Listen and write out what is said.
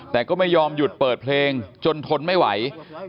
แต่ก็ไม่ยอมหยุดเปิดเพลงจนทนไม่ไหว